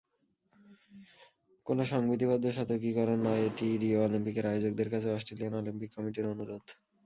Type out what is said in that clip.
কোনো সংবিধিবদ্ধ সতর্কীকরণ নয়, এটি রিও অলিম্পিকের আয়োজকদের কাছে অস্ট্রেলিয়ান অলিম্পিক কমিটির অনুরোধ।